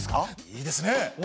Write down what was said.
いいですね！